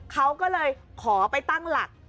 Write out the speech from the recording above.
เขาก็เลยขอไปตั้งหลัก